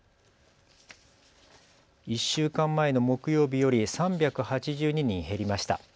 １週間前の木曜日より３８２人減りました。